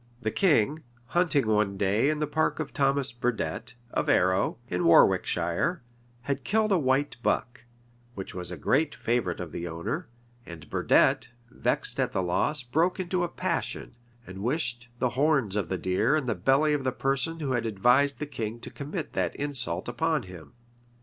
The king, hunting one day in the park of Thomas Burdet, of Arrow, in Warwickshire, had killed a white buck, which was a great favorite of the owner; and Burdet, vexed at the loss, broke into a passion, and wished the horns of the deer in the belly of the person who had advised the king to commit that insult upon him.